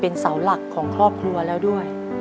ปิดเท่าไหร่ก็ได้ลงท้ายด้วย๐เนาะ